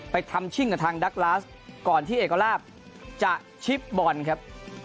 ทำชิ่งกับทางดักลาสก่อนที่เอกลาบจะชิปบอลครับ